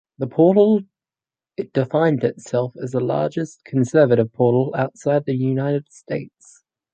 The portal defined itself as the largest conservative portal outside the United States.